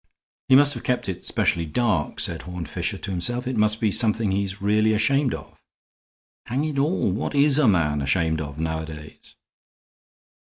"He must have kept it specially dark," said Horne Fisher to himself. "It must be something he's really ashamed of. Hang it all! what is a man ashamed of nowadays?"